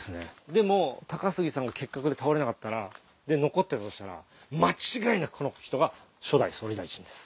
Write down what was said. でも高杉さんが結核で倒れなかったら残ってたとしたら間違いなくこの人が初代総理大臣です。